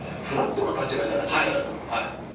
フラットな立場じゃなきゃいけないと思うんだよ。